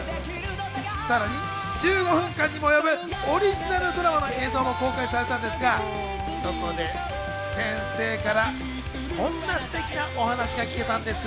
さらに１５分間にも及ぶオリジナルドラマの映像も公開されたんですが、そこで先生からこんなステキなお話が聞けたんです。